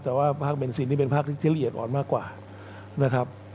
แต่ว่าภาคเบนซินนี่เป็นภาคที่ละเอียดอ่อนมากกว่านะครับ